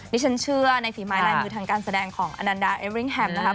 ดิฉันเชื่อในฝีไม้ลายมือทางการแสดงของอนันดาเอเวริ่งแฮมนะครับ